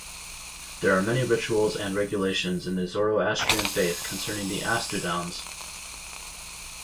There are many rituals and regulations in the Zoroastrian faith concerning the "astudans".